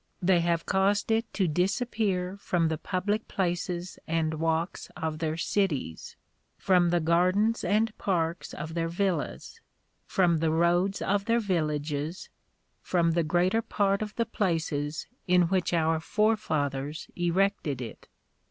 They have caused it to disappear from the public places and walks of their cities; from the gardens and parks of their villas; from the roads of their villages; from the greater part of the places in which our forefathers erected it.